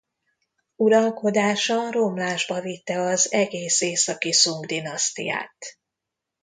Uralkodása romlásba vitte az egész Északi Szung-dinasztiát.